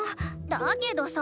だけどさ。